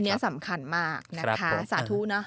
อันนี้สำคัญมากนะคะสาธุเนอะ